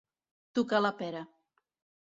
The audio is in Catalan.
Tocar la pera.